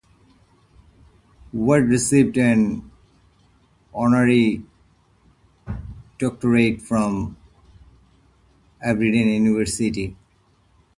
Watt received an Honorary Doctorate from Aberdeen University.